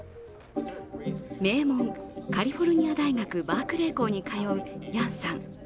名門カリフォルニア大学バークレー校に通うヤンさん。